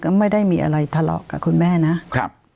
ก็ไม่ได้มีอะไรทะเลาะกับคุณแม่นะครับ